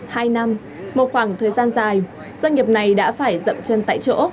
hai năm một khoảng thời gian dài doanh nghiệp này đã phải dậm chân tại chỗ